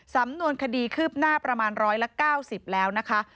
สำนวนคดีคืบหน้าประมาณ๑๙๐แล้วนะคะ